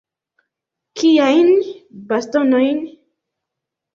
Kiajn bastonojn?